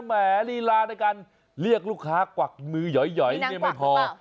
แหมลีลาในการเรียกลูกค้ากวักมือหย่อยไม่พอ